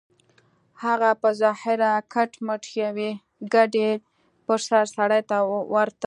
هغه په ظاهره کټ مټ يوې کډې پر سر سړي ته ورته و.